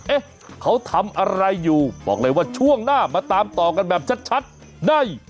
เอ๊ะเขาทำอะไรอยู่บอกเลยว่าช่วงหน้ามาตามต่อกันแบบชัดใน